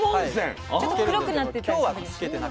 ちょっと黒くなってたりする。